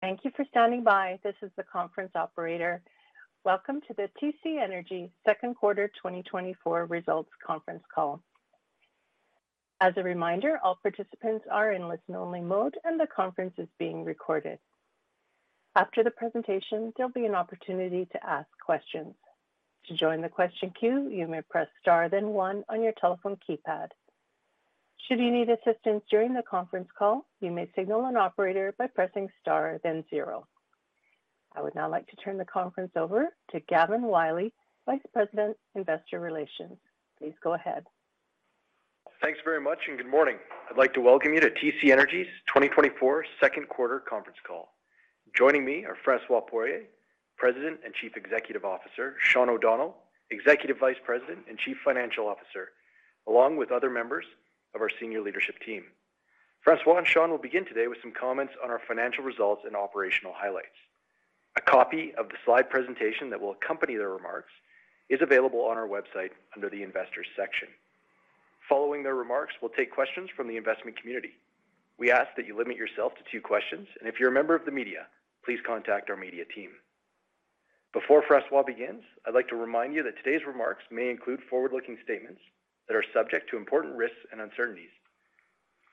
Thank you for standing by. This is the conference operator. Welcome to the TC Energy Second Quarter 2024 Results Conference Call. As a reminder, all participants are in listen-only mode, and the conference is being recorded. After the presentation, there'll be an opportunity to ask questions. To join the question queue, you may press Star, then one on your telephone keypad. Should you need assistance during the Conference Call, you may signal an operator by pressing Star, then zero. I would now like to turn the conference over to Gavin Wylie, Vice President, Investor Relations. Please go ahead. Thanks very much, and good morning. I'd like to welcome you to TC Energy's 2024 second quarter conference call. Joining me are François Poirier, President and Chief Executive Officer, Sean O'Donnell, Executive Vice President and Chief Financial Officer, along with other members of our senior leadership team. François and Sean will begin today with some comments on our financial results and operational highlights. A copy of the slide presentation that will accompany their remarks is available on our website under the Investors section. Following their remarks, we'll take questions from the investment community. We ask that you limit yourself to two questions, and if you're a member of the media, please contact our media team. Before François begins, I'd like to remind you that today's remarks may include forward-looking statements that are subject to important risks and uncertainties.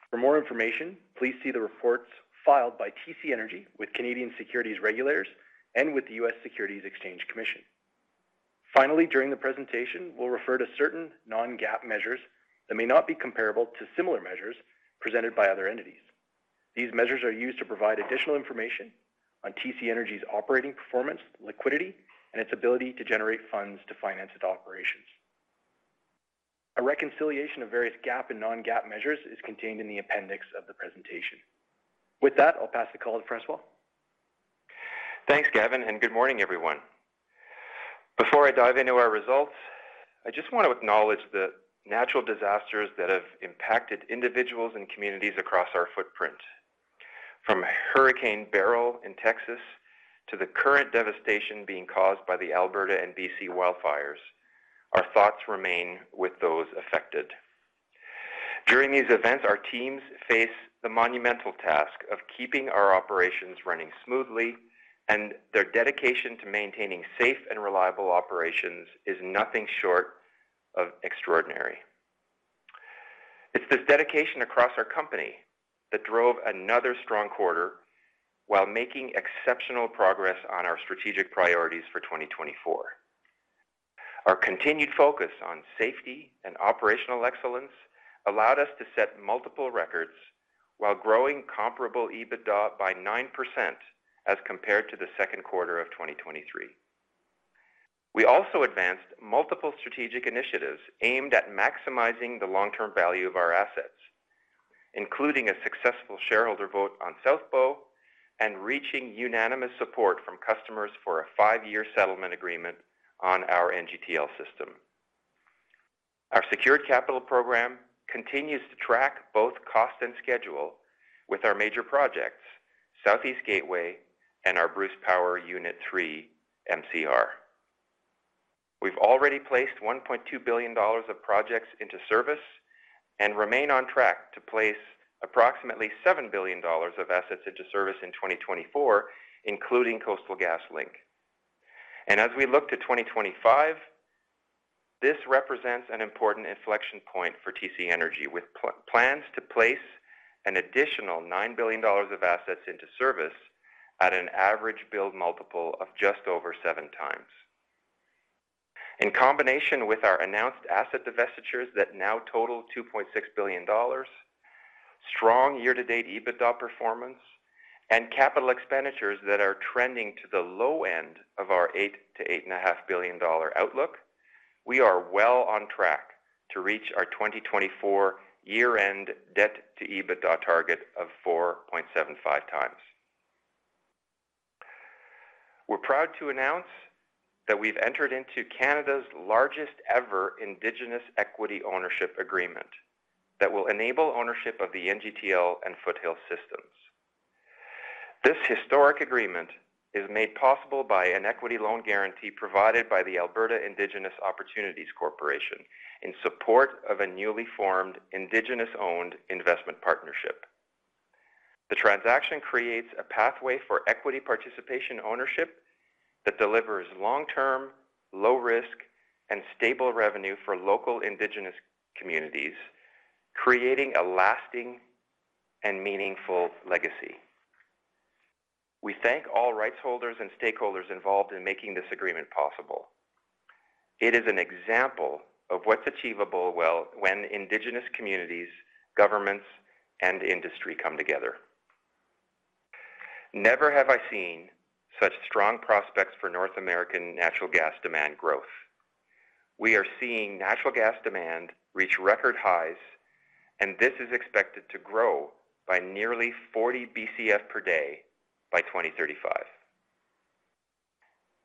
For more information, please see the reports filed by TC Energy with Canadian Securities Regulators and with the U.S. Securities and Exchange Commission. Finally, during the presentation, we'll refer to certain non-GAAP measures that may not be comparable to similar measures presented by other entities. These measures are used to provide additional information on TC Energy's operating performance, liquidity, and its ability to generate funds to finance its operations. A reconciliation of various GAAP and non-GAAP measures is contained in the appendix of the presentation. With that, I'll pass the call to François. Thanks, Gavin, and good morning, everyone. Before I dive into our results, I just want to acknowledge the natural disasters that have impacted individuals and communities across our footprint. From Hurricane Beryl in Texas to the current devastation being caused by the Alberta and BC wildfires, our thoughts remain with those affected. During these events, our teams face the monumental task of keeping our operations running smoothly, and their dedication to maintaining safe and reliable operations is nothing short of extraordinary. It's this dedication across our company that drove another strong quarter while making exceptional progress on our strategic priorities for 2024. Our continued focus on safety and operational excellence allowed us to set multiple records while growing comparable EBITDA by 9% as compared to the second quarter of 2023. We also advanced multiple strategic initiatives aimed at maximizing the long-term value of our assets, including a successful shareholder vote on South Bow and reaching unanimous support from customers for a five-year settlement agreement on our NGTL system. Our secured capital program continues to track both cost and schedule with our major projects, Southeast Gateway and our Bruce Power Unit 3 MCR. We've already placed 1.2 billion dollars of projects into service and remain on track to place approximately 7 billion dollars of assets into service in 2024, including Coastal GasLink. And as we look to 2025, this represents an important inflection point for TC Energy, with plans to place an additional 9 billion dollars of assets into service at an average build multiple of just over 7x. In combination with our announced asset divestitures that now total $2.6 billion, strong year-to-date EBITDA performance and capital expenditures that are trending to the low end of our $8-$8.5 billion outlook, we are well on track to reach our 2024 year-end debt-to-EBITDA target of 4.75 times. We're proud to announce that we've entered into Canada's largest-ever Indigenous equity ownership agreement that will enable ownership of the NGTL and Foothills systems. This historic agreement is made possible by an equity loan guarantee provided by the Alberta Indigenous Opportunities Corporation in support of a newly formed Indigenous-owned investment partnership. The transaction creates a pathway for equity participation ownership that delivers long-term, low-risk, and stable revenue for local Indigenous communities, creating a lasting and meaningful legacy. We thank all rights holders and stakeholders involved in making this agreement possible. It is an example of what's achievable, well, when Indigenous communities, governments, and industry come together. Never have I seen such strong prospects for North American natural gas demand growth. We are seeing natural gas demand reach record highs, and this is expected to grow by nearly 40 Bcf/d by 2035.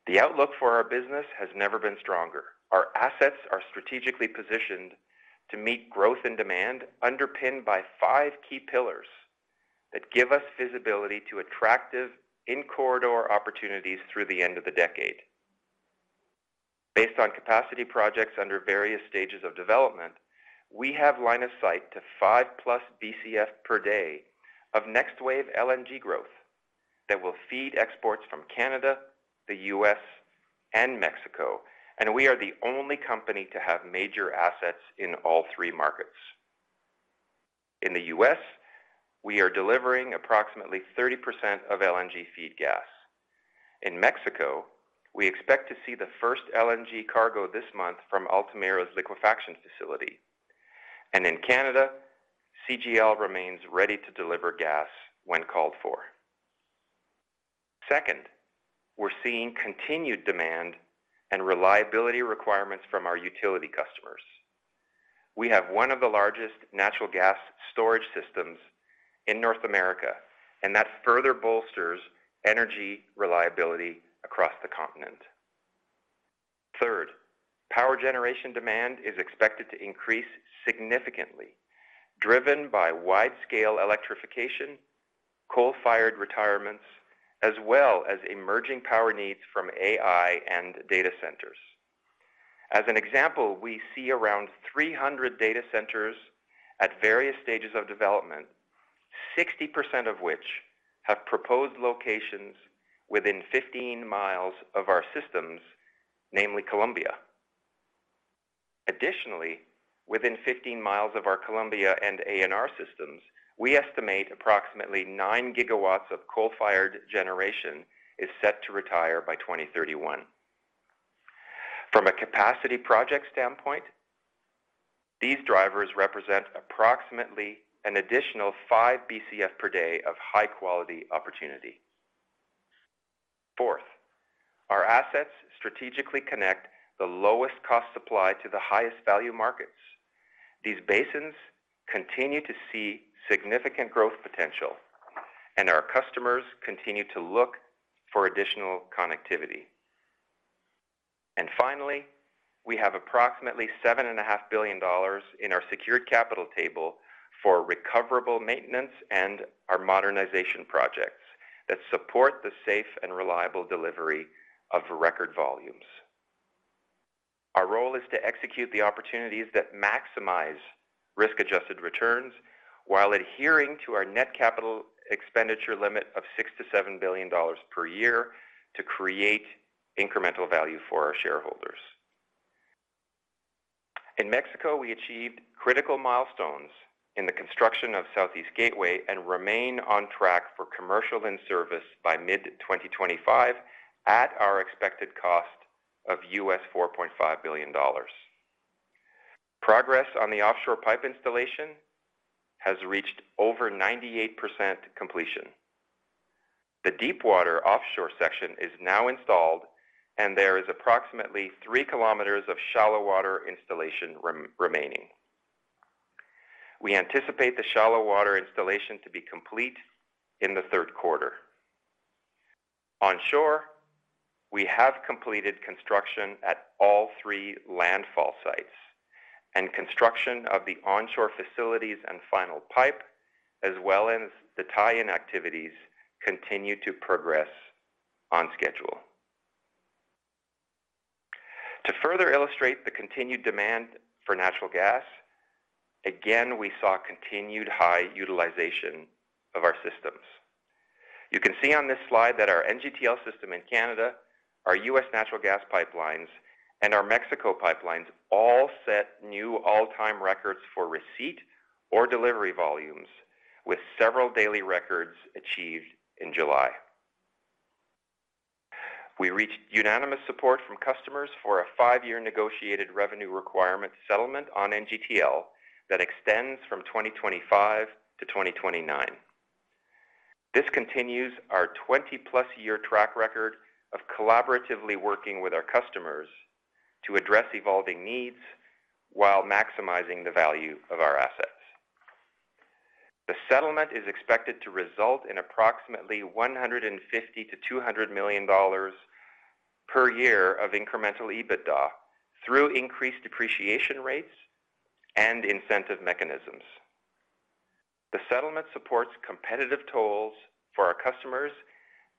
The outlook for our business has never been stronger. Our assets are strategically positioned to meet growth and demand, underpinned by five key pillars that give us visibility to attractive in-corridor opportunities through the end of the decade. Based on capacity projects under various stages of development, we have line of sight to 5+ Bcf/d of next wave LNG growth that will feed exports from Canada, the U.S., and Mexico, and we are the only company to have major assets in all three markets. In the U.S., we are delivering approximately 30% of LNG feed gas. In Mexico, we expect to see the first LNG cargo this month from Altamira's liquefaction facility. And in Canada, CGL remains ready to deliver gas when called for. Second, we're seeing continued demand and reliability requirements from our utility customers. We have one of the largest natural gas storage systems in North America, and that further bolsters energy reliability across the continent. Third, power generation demand is expected to increase significantly, driven by wide-scale electrification, coal-fired retirements, as well as emerging power needs from AI and data centers. As an example, we see around 300 data centers at various stages of development, 60% of which have proposed locations within 15 miles of our systems, namely Columbia. Additionally, within 15 miles of our Columbia and ANR systems, we estimate approximately 9 gigawatts of coal-fired generation is set to retire by 2031. From a capacity project standpoint, these drivers represent approximately an additional 5 Bcf/d of high-quality opportunity. Fourth, our assets strategically connect the lowest cost supply to the highest value markets. These basins continue to see significant growth potential, and our customers continue to look for additional connectivity. Finally, we have approximately $7.5 billion in our secured capital table for recoverable maintenance and our modernization projects that support the safe and reliable delivery of record volumes. Our role is to execute the opportunities that maximize risk-adjusted returns while adhering to our net capital expenditure limit of $6 billion-$7 billion per year to create incremental value for our shareholders. In Mexico, we achieved critical milestones in the construction of Southeast Gateway and remain on track for commercial service by mid-2025 at our expected cost of $4.5 billion. Progress on the offshore pipe installation has reached over 98% completion. The deepwater offshore section is now installed, and there is approximately 3 km of shallow water installation remaining. We anticipate the shallow water installation to be complete in the third quarter. Onshore, we have completed construction at all three landfall sites, and construction of the onshore facilities and final pipe, as well as the tie-in activities, continue to progress on schedule. To further illustrate the continued demand for natural gas, again, we saw continued high utilization of our systems. You can see on this slide that our NGTL system in Canada, our U.S. natural gas pipelines, and our Mexico pipelines all set new all-time records for receipt or delivery volumes, with several daily records achieved in July. We reached unanimous support from customers for a five-year negotiated revenue requirement settlement on NGTL that extends from 2025-2029. This continues our 20+ year track record of collaboratively working with our customers to address evolving needs while maximizing the value of our assets. The settlement is expected to result in approximately 150 million-200 million dollars per year of incremental EBITDA through increased depreciation rates and incentive mechanisms. The settlement supports competitive tolls for our customers,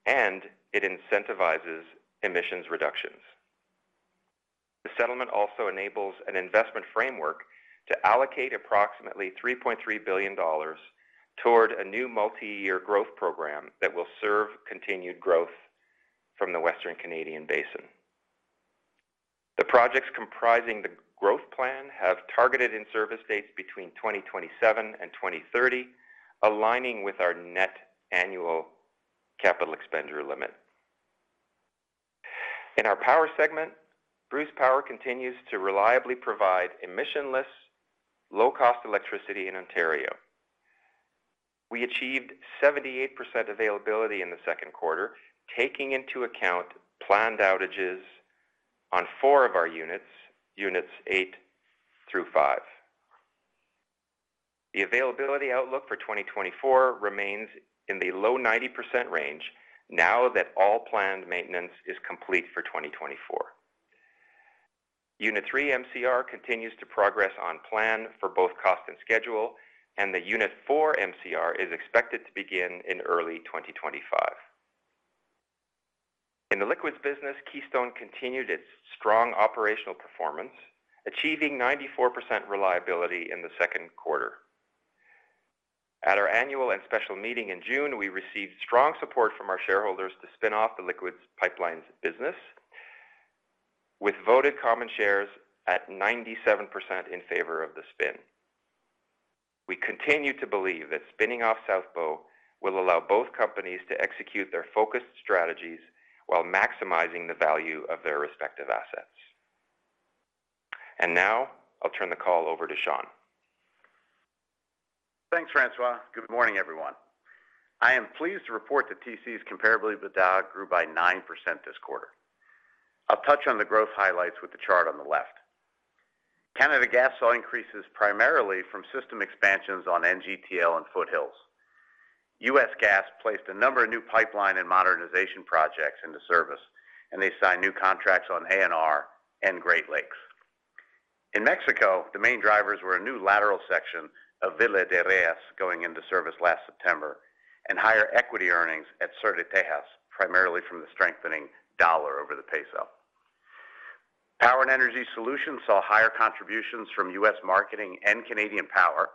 and it incentivizes emissions reductions. The settlement also enables an investment framework to allocate approximately 3.3 billion dollars toward a new multi-year growth program that will serve continued growth from the Western Canadian Basin. The projects comprising the growth plan have targeted in-service dates between 2027 and 2030, aligning with our net annual capital expenditure limit. In our power segment, Bruce Power continues to reliably provide emissionless, low-cost electricity in Ontario. We achieved 78% availability in the second quarter, taking into account planned outages on four of our units, units 8 through 5. The availability outlook for 2024 remains in the low 90% range now that all planned maintenance is complete for 2024. Unit 3 MCR continues to progress on plan for both cost and schedule, and the Unit 4 MCR is expected to begin in early 2025. In the liquids business, Keystone continued its strong operational performance, achieving 94% reliability in the second quarter. At our annual and special meeting in June, we received strong support from our shareholders to spin off the liquids pipelines business, with voted common shares at 97% in favor of the spin. We continue to believe that spinning off South Bow will allow both companies to execute their focused strategies while maximizing the value of their respective assets. Now I'll turn the call over to Sean. Thanks, François. Good morning, everyone. I am pleased to report that TC's Comparable EBITDA grew by 9% this quarter. I'll touch on the growth highlights with the chart on the left. Canada Gas saw increases primarily from system expansions on NGTL and Foothills. U.S. Gas placed a number of new pipeline and modernization projects into service, and they signed new contracts on ANR and Great Lakes. In Mexico, the main drivers were a new lateral section of Villa de Reyes going into service last September, and higher equity earnings at Sur de Texas, primarily from the strengthening dollar over the peso. Power and Energy Solutions saw higher contributions from U.S. marketing and Canadian Power,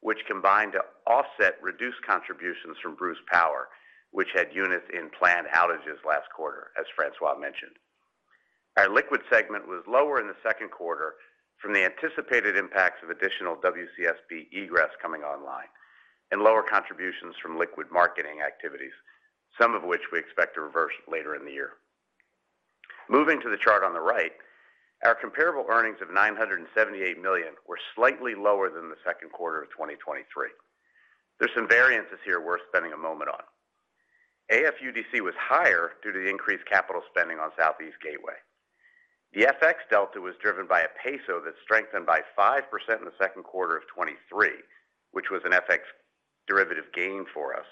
which combined to offset reduced contributions from Bruce Power, which had units in planned outages last quarter, as François mentioned. Our liquid segment was lower in the second quarter from the anticipated impacts of additional WCSB egress coming online and lower contributions from liquid marketing activities, some of which we expect to reverse later in the year. Moving to the chart on the right, our comparable earnings of 978 million were slightly lower than the second quarter of 2023. There's some variances here worth spending a moment on. AFUDC was higher due to the increased capital spending on Southeast Gateway. The FX Delta was driven by a peso that strengthened by 5% in the second quarter of 2023, which was an FX derivative gain for us,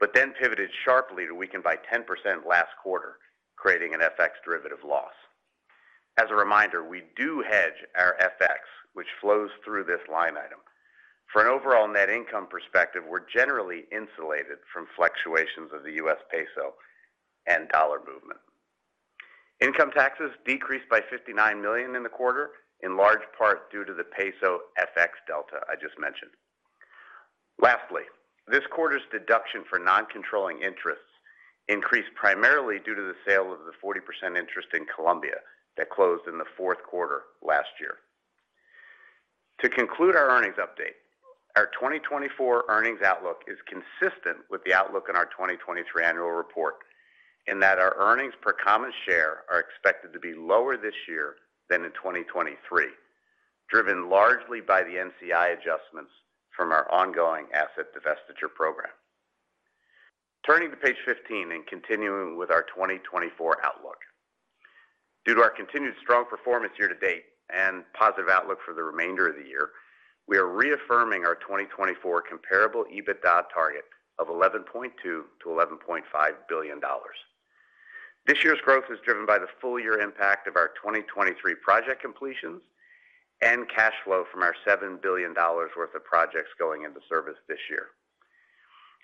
but then pivoted sharply to weaken by 10% last quarter, creating an FX derivative loss. As a reminder, we do hedge our FX, which flows through this line item. For an overall net income perspective, we're generally insulated from fluctuations of the U.S. peso and dollar movement. Income taxes decreased by 59 million in the quarter, in large part due to the peso FX Delta I just mentioned. Lastly, this quarter's deduction for non-controlling interests increased primarily due to the sale of the 40% interest in Columbia that closed in the fourth quarter last year. To conclude our earnings update, our 2024 earnings outlook is consistent with the outlook in our 2023 annual report, in that our earnings per common share are expected to be lower this year than in 2023, driven largely by the NCI adjustments from our ongoing asset divestiture program. Turning to page 15 and continuing with our 2024 outlook. Due to our continued strong performance year to date and positive outlook for the remainder of the year, we are reaffirming our 2024 comparable EBITDA target of 11.2 billion-11.5 billion dollars. This year's growth is driven by the full year impact of our 2023 project completions and cash flow from our 7 billion dollars worth of projects going into service this year.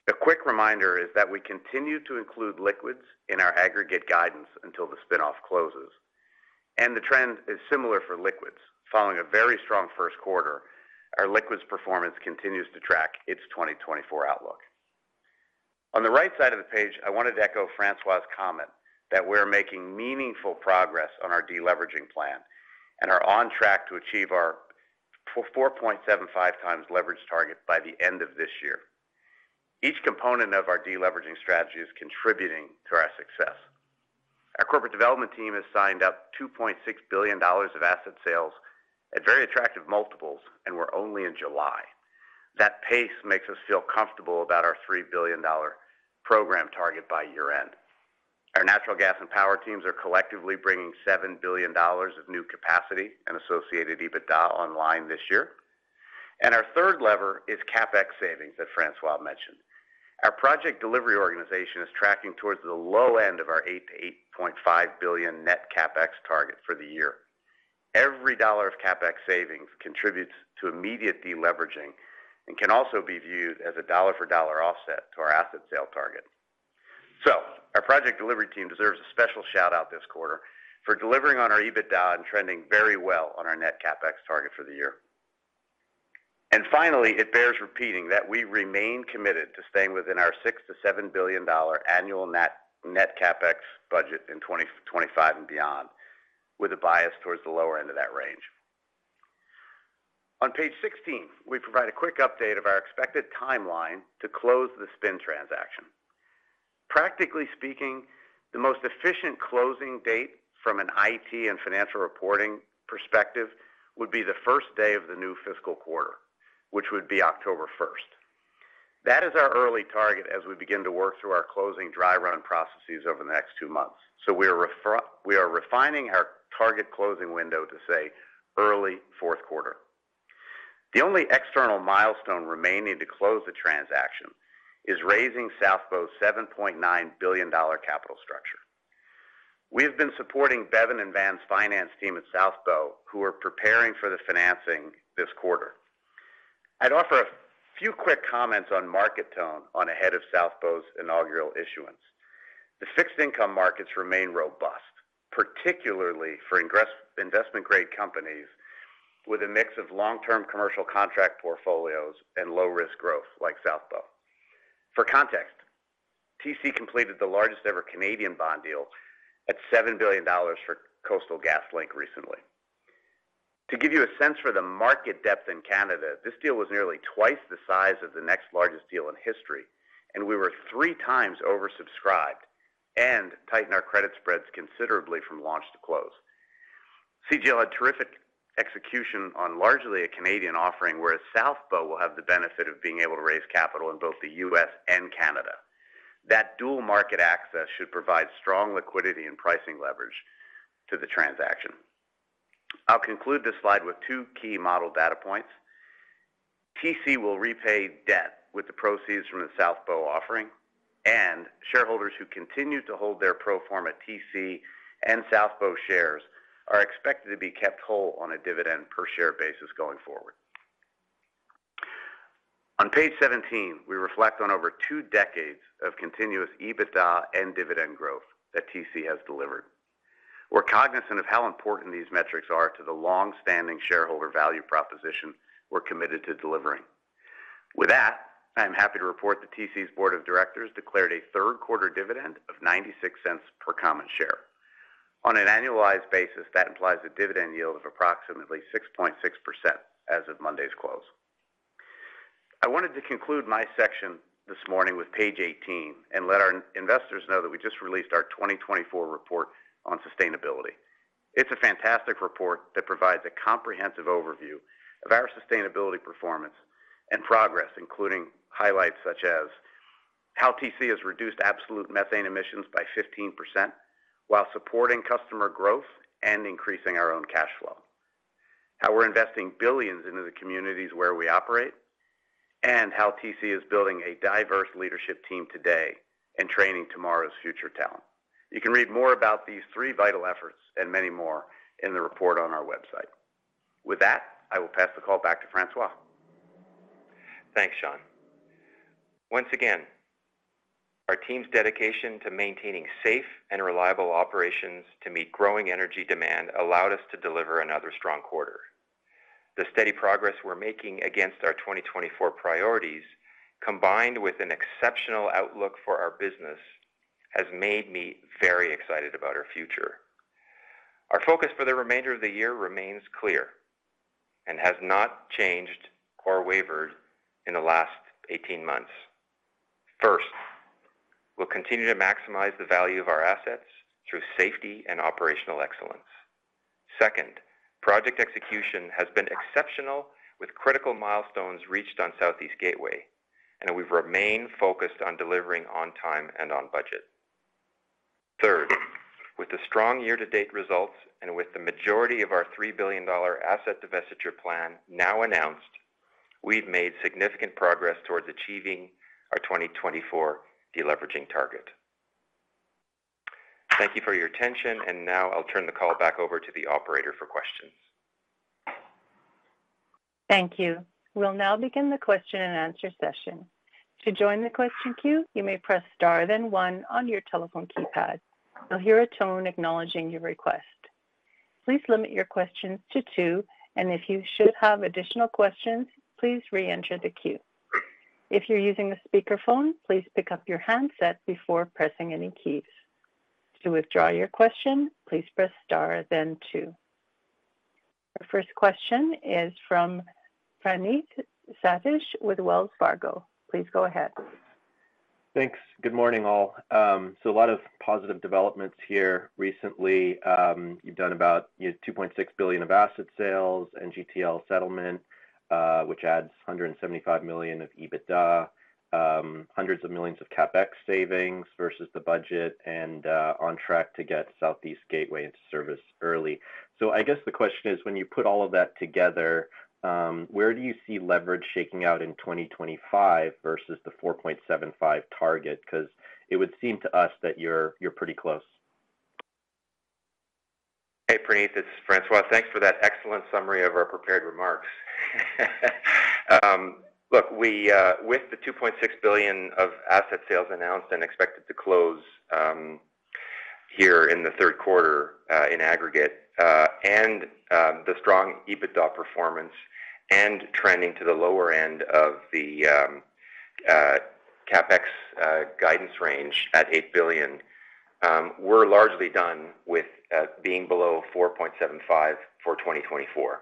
A quick reminder is that we continue to include liquids in our aggregate guidance until the spin-off closes, and the trend is similar for liquids. Following a very strong first quarter, our liquids performance continues to track its 2024 outlook. On the right side of the page, I wanted to echo François's comment that we're making meaningful progress on our deleveraging plan and are on track to achieve our 4.75 times leverage target by the end of this year. Each component of our deleveraging strategy is contributing to our success. Our corporate development team has signed up $2.6 billion of asset sales at very attractive multiples, and we're only in July. That pace makes us feel comfortable about our $3 billion program target by year-end. Our natural gas and power teams are collectively bringing $7 billion of new capacity and associated EBITDA online this year. And our third lever is CapEx savings that François mentioned. Our project delivery organization is tracking towards the low end of our $8 billion-$8.5 billion net CapEx target for the year. Every dollar of CapEx savings contributes to immediate deleveraging and can also be viewed as a dollar-for-dollar offset to our asset sale target. So our project delivery team deserves a special shout-out this quarter for delivering on our EBITDA and trending very well on our net CapEx target for the year. And finally, it bears repeating that we remain committed to staying within our $6 billion-$7 billion annual net, net CapEx budget in 2025 and beyond, with a bias towards the lower end of that range. On page 16, we provide a quick update of our expected timeline to close the spin transaction. Practically speaking, the most efficient closing date from an IT and financial reporting perspective would be the first day of the new fiscal quarter, which would be October 1. That is our early target as we begin to work through our closing dry run processes over the next two months. So we are refining our target closing window to, say, early fourth quarter. The only external milestone remaining to close the transaction is raising South Bow's 7.9 billion dollar capital structure. We've been supporting Bevin and Van's finance team at South Bow, who are preparing for the financing this quarter. I'd offer a few quick comments on market tone ahead of South Bow's inaugural issuance. The fixed-income markets remain robust, particularly for investment-grade companies with a mix of long-term commercial contract portfolios and low-risk growth like South Bow. For context, TC completed the largest-ever Canadian bond deal at 7 billion dollars for Coastal GasLink recently. To give you a sense for the market depth in Canada, this deal was nearly twice the size of the next largest deal in history, and we were three times oversubscribed and tightened our credit spreads considerably from launch to close. CGL had terrific execution on largely a Canadian offering, whereas South Bow will have the benefit of being able to raise capital in both the U.S. and Canada. That dual market access should provide strong liquidity and pricing leverage to the transaction. I'll conclude this slide with two key model data points. TC will repay debt with the proceeds from the South Bow offering, and shareholders who continue to hold their pro forma TC and South Bow shares are expected to be kept whole on a dividend per share basis going forward. On page 17, we reflect on over two decades of continuous EBITDA and dividend growth that TC has delivered. We're cognizant of how important these metrics are to the long-standing shareholder value proposition we're committed to delivering. With that, I'm happy to report that TC's board of directors declared a third quarter dividend of 0.96 per common share. On an annualized basis, that implies a dividend yield of approximately 6.6% as of Monday's close. I wanted to conclude my section this morning with page 18 and let our investors know that we just released our 2024 report on sustainability. It's a fantastic report that provides a comprehensive overview of our sustainability, performance, and progress, including highlights such as how TC has reduced absolute methane emissions by 15% while supporting customer growth and increasing our own cash flow. How we're investing billions into the communities where we operate, and how TC is building a diverse leadership team today and training tomorrow's future talent. You can read more about these three vital efforts and many more in the report on our website. With that, I will pass the call back to François. Thanks, Sean. Once again, our team's dedication to maintaining safe and reliable operations to meet growing energy demand allowed us to deliver another strong quarter. The steady progress we're making against our 2024 priorities, combined with an exceptional outlook for our business, has made me very excited about our future. Our focus for the remainder of the year remains clear and has not changed or wavered in the last 18 months. First, we'll continue to maximize the value of our assets through safety and operational excellence. Second, project execution has been exceptional, with critical milestones reached on Southeast Gateway, and we've remained focused on delivering on time and on budget. Third, with the strong year-to-date results and with the majority of our $3 billion asset divestiture plan now announced, we've made significant progress towards achieving our 2024 deleveraging target. Thank you for your attention, and now I'll turn the call back over to the operator for questions. Thank you. We'll now begin the question-and-answer session. To join the question queue, you may press Star, then one on your telephone keypad. You'll hear a tone acknowledging your request. Please limit your questions to two, and if you should have additional questions, please reenter the queue. If you're using a speakerphone, please pick up your handset before pressing any keys. To withdraw your question, please press Star then two. Our first question is from Praneeth Satish with Wells Fargo. Please go ahead. Thanks. Good morning, all. So a lot of positive developments here recently. You've done about 2.6 billion of asset sales and NGTL settlement, which adds 175 million of EBITDA, hundreds of millions of CapEx savings versus the budget and, on track to get Southeast Gateway into service early. So I guess the question is, when you put all of that together, where do you see leverage shaking out in 2025 versus the 4.75 target? Because it would seem to us that you're, you're pretty close. Hey, Praneeth, this is François. Thanks for that excellent summary of our prepared remarks. Look, we, with the 2.6 billion of asset sales announced and expected to close, here in the third quarter, in aggregate, and, the strong EBITDA performance and trending to the lower end of the, CapEx, guidance range at 8 billion, we're largely done with, being below 4.75 billion for 2024.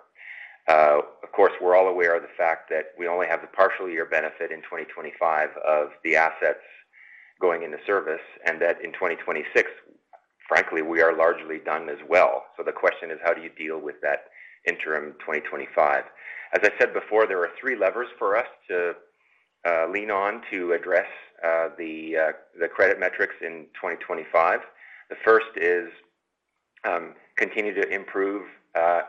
Of course, we're all aware of the fact that we only have the partial year benefit in 2025 of the assets going into service, and that in 2026, frankly, we are largely done as well. So the question is: how do you deal with that interim 2025? As I said before, there are three levers for us to lean on to address the credit metrics in 2025. The first is continue to improve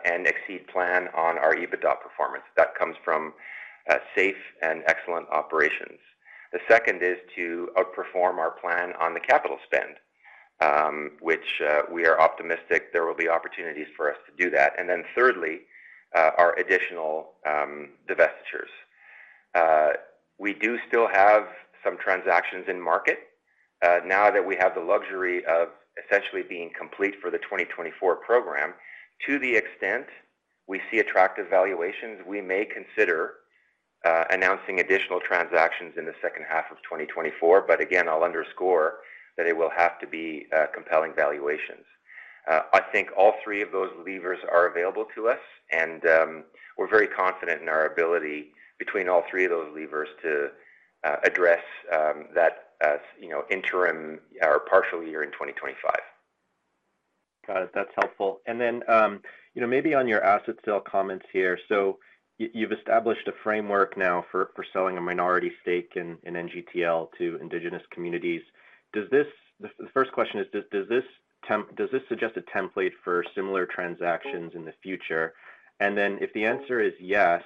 and exceed plan on our EBITDA performance. That comes from safe and excellent operations. The second is to outperform our plan on the capital spend, which we are optimistic there will be opportunities for us to do that. And then thirdly, our additional divestitures. We do still have some transactions in market. Now that we have the luxury of essentially being complete for the 2024 program, to the extent we see attractive valuations, we may consider announcing additional transactions in the second half of 2024. But again, I'll underscore that it will have to be compelling valuations. I think all three of those levers are available to us, and we're very confident in our ability between all three of those levers to address that as, you know, interim or partial year in 2025. Got it. That's helpful. And then, you know, maybe on your asset sale comments here. So you've established a framework now for selling a minority stake in NGTL to indigenous communities. Does this suggest a template for similar transactions in the future? And then if the answer is yes,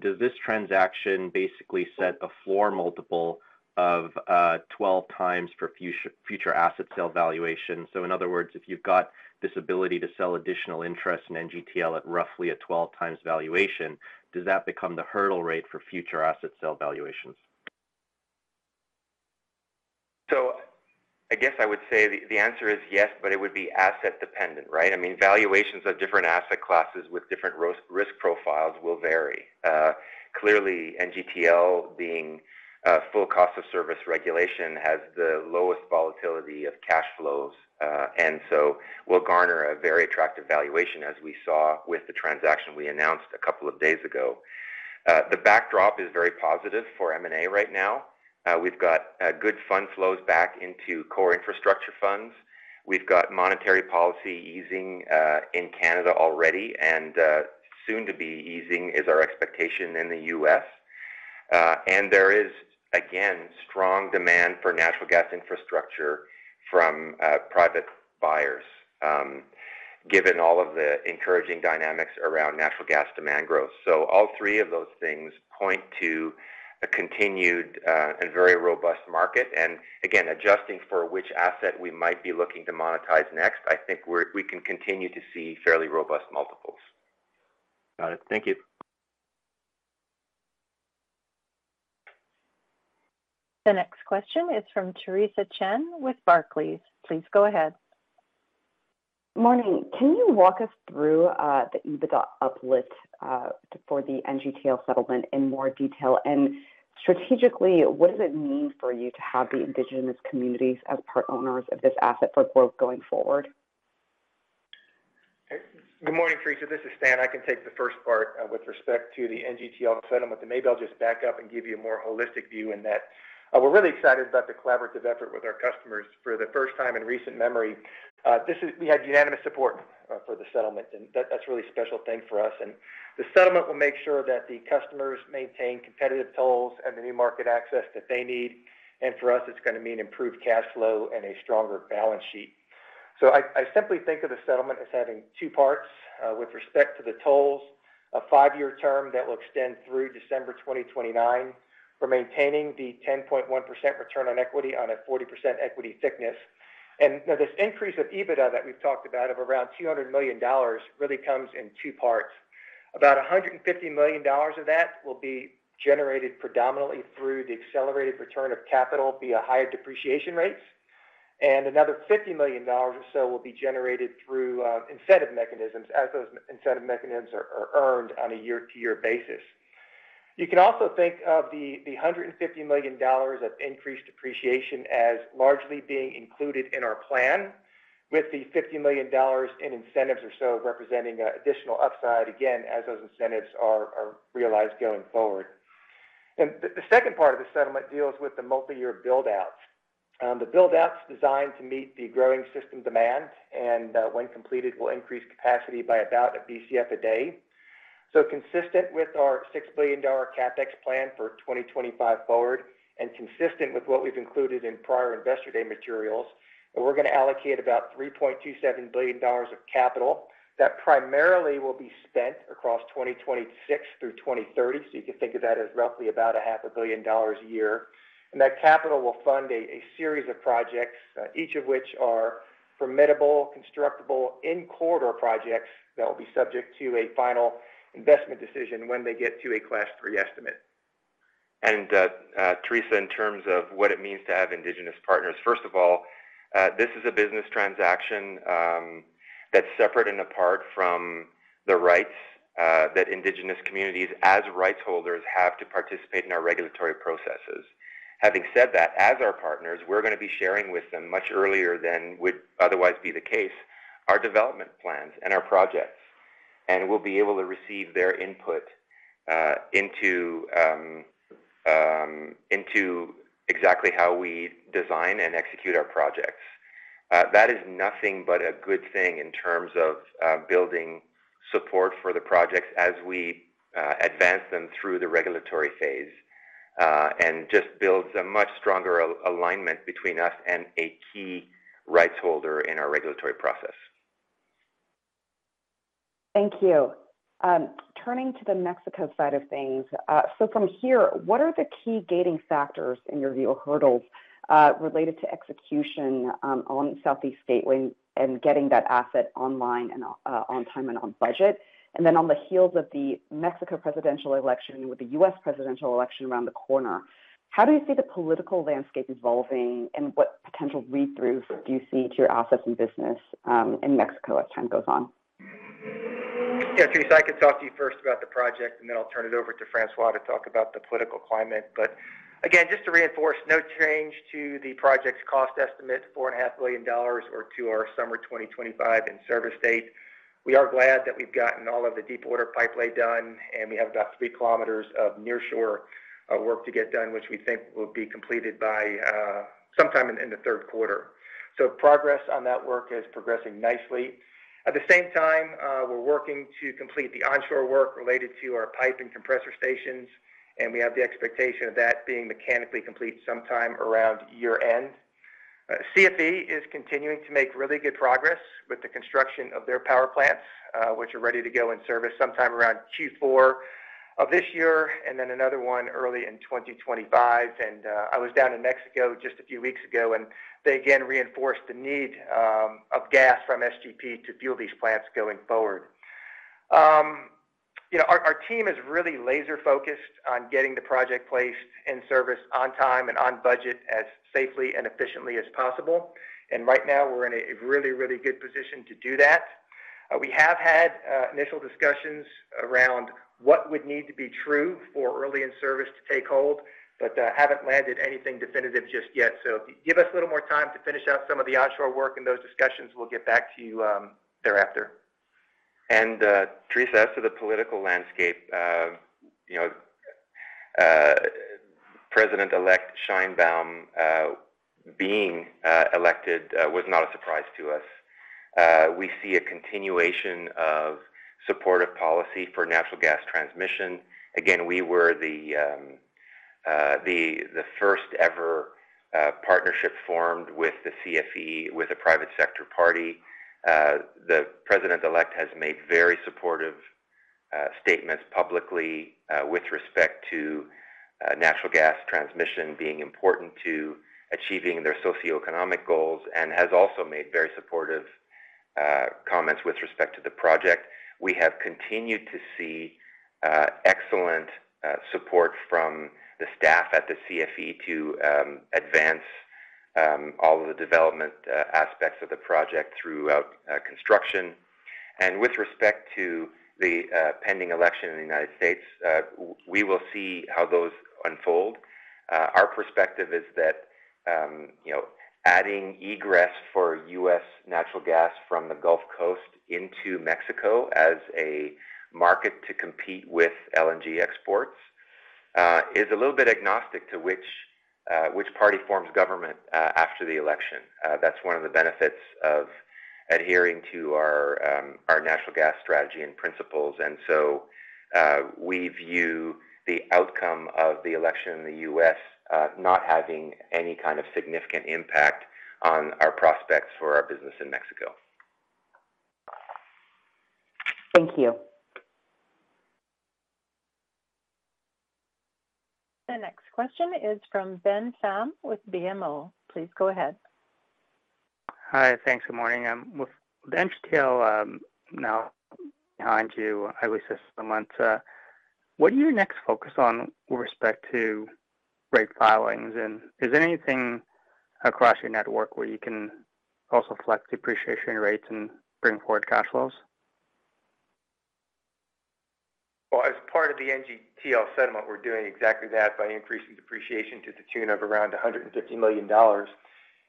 does this transaction basically set a floor multiple of 12x for future asset sale valuation? So in other words, if you've got this ability to sell additional interest in NGTL at roughly a 12x valuation, does that become the hurdle rate for future asset sale valuations? So I guess I would say the answer is yes, but it would be asset dependent, right? I mean, valuations of different asset classes with different risk profiles will vary. Clearly, NGTL being a full cost of service regulation, has the lowest volatility of cash flows, and so will garner a very attractive valuation, as we saw with the transaction we announced a couple of days ago. The backdrop is very positive for M&A right now. We've got good fund flows back into core infrastructure funds. We've got monetary policy easing in Canada already, and soon to be easing is our expectation in the US. And there is, again, strong demand for natural gas infrastructure from private buyers, given all of the encouraging dynamics around natural gas demand growth. All three of those things point to a continued and very robust market. Again, adjusting for which asset we might be looking to monetize next, I think we can continue to see fairly robust multiples. Got it. Thank you. The next question is from Theresa Chen with Barclays. Please go ahead. Morning. Can you walk us through the EBITDA uplift for the NGTL settlement in more detail? And strategically, what does it mean for you to have the indigenous communities as part owners of this asset for growth going forward? Good morning, Theresa. This is Stan. I can take the first part with respect to the NGTL settlement, and maybe I'll just back up and give you a more holistic view in that. We're really excited about the collaborative effort with our customers for the first time in recent memory. This is. We had unanimous support for the settlement, and that. That's a really special thing for us. And the settlement will make sure that the customers maintain competitive tolls and the new market access that they need, and for us, it's gonna mean improved cash flow and a stronger balance sheet. So I simply think of the settlement as having two parts with respect to the tolls, a five-year term that will extend through December 2029. We're maintaining the 10.1% return on equity on a 40% equity thickness. Now, this increase of EBITDA that we've talked about of around 200 million dollars really comes in two parts. About 150 million dollars of that will be generated predominantly through the accelerated return of capital via higher depreciation rates, and another 50 million dollars or so will be generated through incentive mechanisms as those incentive mechanisms are earned on a year-to-year basis. You can also think of the 150 million dollars of increased depreciation as largely being included in our plan, with the 50 million dollars in incentives or so representing additional upside, again, as those incentives are realized going forward. The second part of the settlement deals with the multiyear build-outs. The build-out is designed to meet the growing system demand, and when completed, will increase capacity by about a Bcf a day. So consistent with our 6 billion dollar CapEx plan for 2025 forward and consistent with what we've included in prior Investor Day materials, we're gonna allocate about 3.27 billion dollars of capital. That primarily will be spent across 2026 through 2030. So you can think of that as roughly about 500 million dollars a year. And that capital will fund a series of projects, each of which are formidable, constructable in corridor projects that will be subject to a final investment decision when they get to a Class 3 Estimate. Theresa, in terms of what it means to have indigenous partners, first of all, this is a business transaction, that's separate and apart from the rights, that indigenous communities as rights holders, have to participate in our regulatory processes. Having said that, as our partners, we're gonna be sharing with them much earlier than would otherwise be the case, our development plans and our projects, and we'll be able to receive their input, into exactly how we design and execute our projects. That is nothing but a good thing in terms of building support for the projects as we advance them through the regulatory phase, and just builds a much stronger alignment between us and a key rights holder in our regulatory process. Thank you. Turning to the Mexico side of things, so from here, what are the key gating factors in your view, or hurdles, related to execution, on Southeast Gateway and getting that asset online and, on time and on budget? And then on the heels of the Mexico presidential election, with the U.S. presidential election around the corner, how do you see the political landscape evolving, and what potential read-throughs do you see to your assets and business, in Mexico as time goes on? Yeah, Theresa, I could talk to you first about the project, and then I'll turn it over to François to talk about the political climate. But again, just to reinforce, no change to the project's cost estimate, $4.5 billion, or to our summer 2025 in service date. We are glad that we've gotten all of the deep water pipelay done, and we have about 3 kilometers of nearshore work to get done, which we think will be completed by sometime in the third quarter. So progress on that work is progressing nicely. At the same time, we're working to complete the onshore work related to our pipe and compressor stations, and we have the expectation of that being mechanically complete sometime around year-end. CFE is continuing to make really good progress with the construction of their power plants, which are ready to go in service sometime around Q4 of this year, and then another one early in 2025. I was down in Mexico just a few weeks ago, and they again reinforced the need of gas from SGP to fuel these plants going forward. You know, our team is really laser-focused on getting the project placed in service on time and on budget, as safely and efficiently as possible, and right now we're in a really, really good position to do that. We have had initial discussions around what would need to be true for early in service to take hold, but haven't landed anything definitive just yet. So give us a little more time to finish out some of the onshore work and those discussions. We'll get back to you, thereafter. And, Theresa, as to the political landscape, you know, President-elect Sheinbaum being elected was not a surprise to us. We see a continuation of supportive policy for natural gas transmission. Again, we were the first ever partnership formed with the CFE, with a private sector party. The president-elect has made very supportive statements publicly with respect to natural gas transmission being important to achieving their socioeconomic goals, and has also made very supportive comments with respect to the project. We have continued to see excellent support from the staff at the CFE to advance all of the development aspects of the project throughout construction. And with respect to the pending election in the United States, we will see how those unfold. Our perspective is that, you know, adding egress for U.S. natural gas from the Gulf Coast into Mexico as a market to compete with LNG exports is a little bit agnostic to which party forms government after the election. That's one of the benefits of adhering to our natural gas strategy and principles, and so we view the outcome of the election in the U.S. not having any kind of significant impact on our prospects for our business in Mexico. Thank you. The next question is from Ben Pham with BMO. Please go ahead. Hi, thanks. Good morning. I'm with the NGTL, now behind you, at least this month, what do you next focus on with respect to rate filings? And is there anything across your network where you can also flex depreciation rates and bring forward cash flows? Well, as part of the NGTL settlement, we're doing exactly that by increasing depreciation to the tune of around $150 million.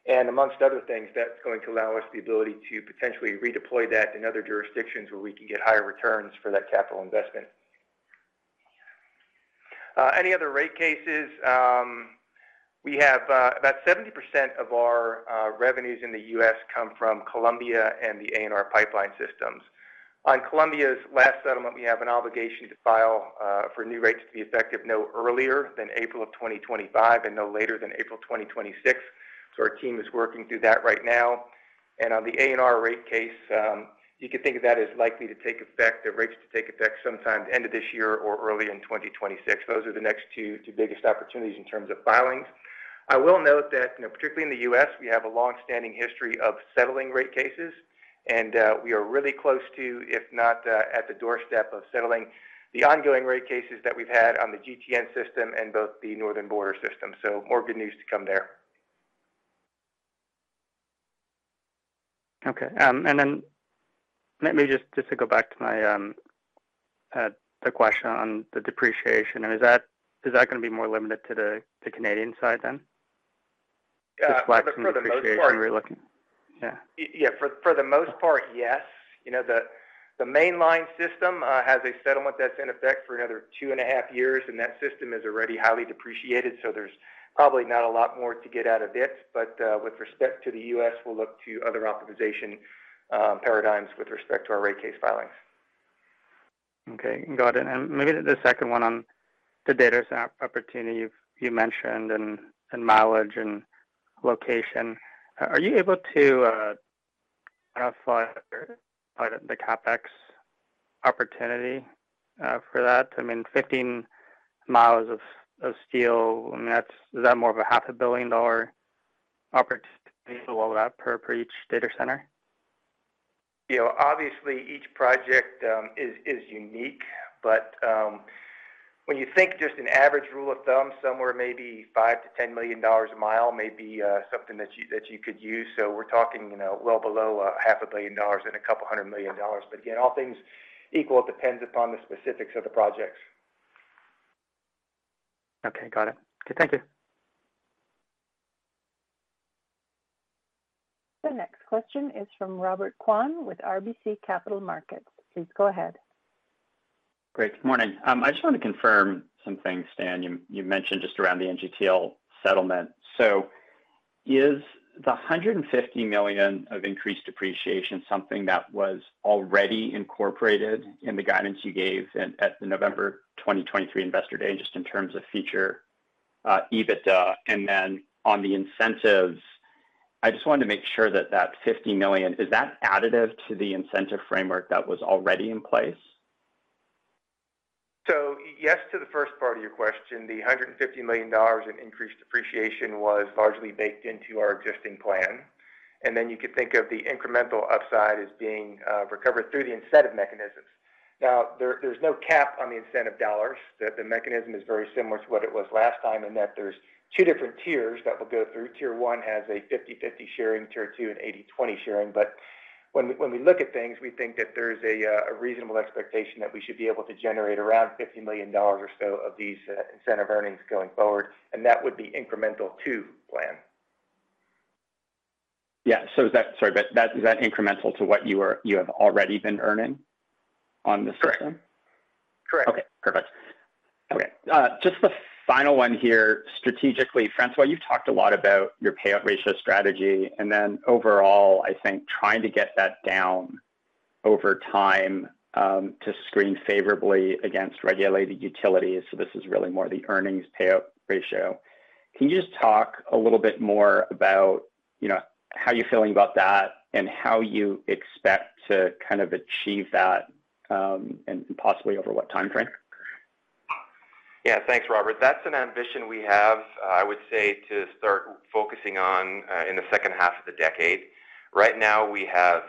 And amongst other things, that's going to allow us the ability to potentially redeploy that in other jurisdictions where we can get higher returns for that capital investment. Any other rate cases, we have about 70% of our revenues in the US come from Columbia and the ANR pipeline systems. On Columbia's last settlement, we have an obligation to file for new rates to be effective no earlier than April of 2025 and no later than April 2026. So our team is working through that right now. On the ANR rate case, you could think of that as likely to take effect—the rates to take effect sometime end of this year or early in 2026. Those are the next two, two biggest opportunities in terms of filings. I will note that, you know, particularly in the US, we have a long-standing history of settling rate cases, and we are really close to, if not, at the doorstep of settling the ongoing rate cases that we've had on the GTN system and both the Northern Border system. So more good news to come there. Okay. And then let me just, just to go back to my, the question on the depreciation, is that, is that gonna be more limited to the, the Canadian side then? Yeah, for the most part- We're looking. Yeah. Yeah, for the most part, yes. You know, the mainline system has a settlement that's in effect for another two and a half years, and that system is already highly depreciated, so there's probably not a lot more to get out of it. But, with respect to the US, we'll look to other optimization paradigms with respect to our rate case filings. Okay, got it. And maybe the second one on the data center opportunity you've mentioned, and mileage and location. Are you able to identify the CapEx opportunity for that? I mean, 15 miles of steel, I mean, that's—is that more of a $500 million opportunity or that per each data center? You know, obviously, each project is unique, but when you think just an average rule of thumb, somewhere maybe $5-$10 million a mile may be something that you could use. So we're talking, you know, well below $500 million and a couple of hundred million dollars. But again, all things equal, it depends upon the specifics of the projects. Okay, got it. Okay, thank you. The next question is from Robert Kwan with RBC Capital Markets. Please go ahead. Great. Good morning. I just wanted to confirm some things, Stan. You, you mentioned just around the NGTL settlement. So is the 150 million of increased depreciation something that was already incorporated in the guidance you gave at the November 2023 Investor Day, just in terms of future, EBITDA? And then on the incentives, I just wanted to make sure that that 50 million, is that additive to the incentive framework that was already in place? So yes, to the first part of your question, the $150 million in increased depreciation was largely baked into our existing plan. And then you could think of the incremental upside as being recovered through the incentive mechanisms. Now, there, there's no cap on the incentive dollars. The mechanism is very similar to what it was last time, in that there's two different tiers that we'll go through. Tier one has a 50/50 sharing, tier two, an 80/20 sharing. But when we look at things, we think that there's a reasonable expectation that we should be able to generate around $50 million or so of these incentive earnings going forward, and that would be incremental to plan. Yeah. So is that—sorry, but that—is that incremental to what you have already been earning on the system? Correct. Correct. Okay, perfect. Okay, just the final one here, strategically, François, you've talked a lot about your payout ratio strategy, and then overall, I think trying to get that down over time, to screen favorably against regulated utilities. So this is really more the earnings payout ratio. Can you just talk a little bit more about, you know, how you're feeling about that and how you expect to kind of achieve that, and possibly over what time frame? Yeah. Thanks, Robert. That's an ambition we have, I would say, to start focusing on, in the second half of the decade. Right now, we have,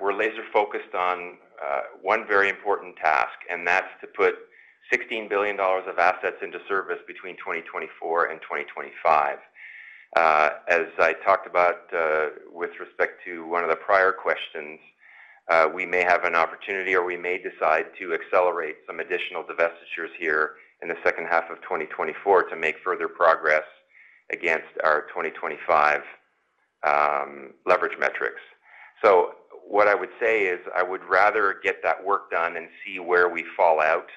we're laser-focused on, one very important task, and that's to put 16 billion dollars of assets into service between 2024 and 2025. As I talked about, with respect to one of the prior questions, we may have an opportunity, or we may decide to accelerate some additional divestitures here in the second half of 2024 to make further progress against our 2025, leverage metrics. So what I would say is, I would rather get that work done and see where we fall out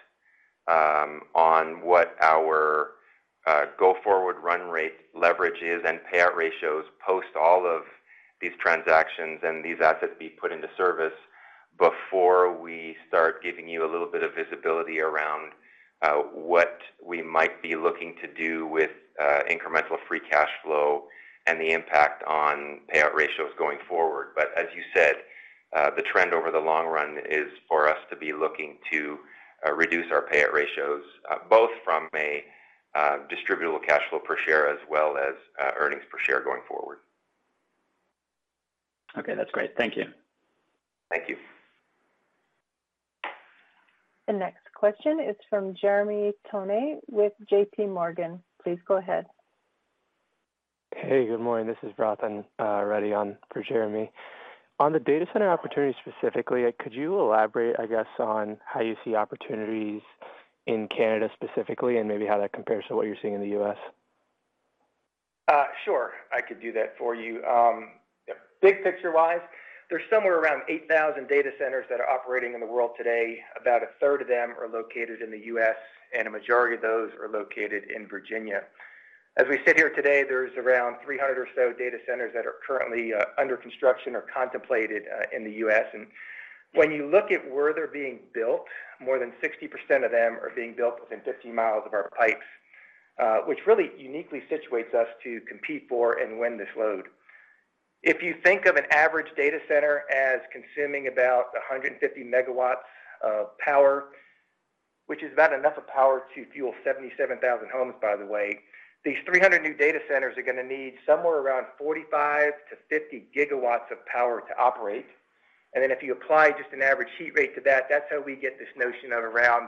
on what our go-forward run rate leverage is and payout ratios, post all of these transactions and these assets be put into service before we start giving you a little bit of visibility around what we might be looking to do with incremental free cash flow and the impact on payout ratios going forward. But as you said, the trend over the long run is for us to be looking to reduce our payout ratios both from a distributable cash flow per share as well as earnings per share going forward. Okay, that's great. Thank you. Thank you. The next question is from Jeremy Tonet with J.P. Morgan. Please go ahead. Hey, good morning. This is Rathan Reddy on for Jeremy. On the data center opportunity, specifically, could you elaborate, I guess, on how you see opportunities in Canada specifically, and maybe how that compares to what you're seeing in the U.S.? Sure, I could do that for you. Big picture-wise, there's somewhere around 8,000 data centers that are operating in the world today. About a third of them are located in the U.S., and a majority of those are located in Virginia. As we sit here today, there's around 300 or so data centers that are currently under construction or contemplated in the U.S. And when you look at where they're being built, more than 60% of them are being built within 50 miles of our pipes, which really uniquely situates us to compete for and win this load. If you think of an average data center as consuming about 150 megawatts of power, which is about enough of power to fuel 77,000 homes, by the way, these 300 new data centers are going to need somewhere around 45-50 gigawatts of power to operate. Then if you apply just an average heat rate to that, that's how we get this notion of around